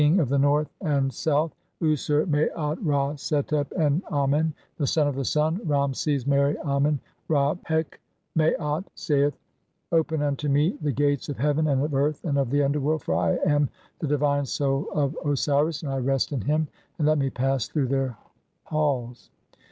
T he King "of the North and South, (Usr Maat Ra setep en Amenl the son "of the Sun, (Ra meses meri Amen Ra heq MaatJ, (15) saith, '"Open unto me the gate[s] of heaven, and of earth, and of "the underworld, for I am the divine soul of Osiris and I rest "in him, and let me pass through their halls.